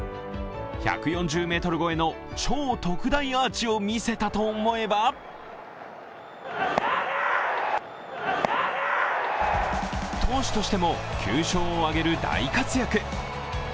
１４０ｍ超えの超特大アーチを見せたと思えば投手としても９勝を挙げるなど大活躍。